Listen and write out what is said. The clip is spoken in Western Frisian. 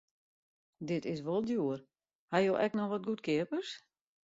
Dit is wol djoer, ha jo ek noch wat goedkeapers?